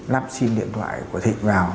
lắp sim điện thoại của thịnh vào